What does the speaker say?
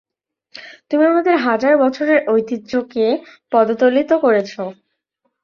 তুমি আমাদের হাজার বছরের ঐতিহ্যকে পদতলিত করেছ।